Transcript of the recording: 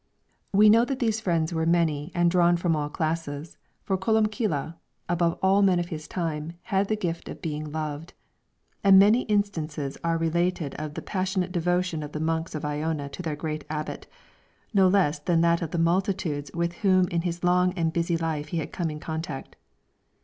We know that these friends were many, and drawn from all classes, for Columbcille, above all the men of his time, had the gift of being loved, and many instances are related of the passionate devotion of the monks of Iona to their great abbot, no less than that of the multitudes with whom in his long and busy life he had come in contact.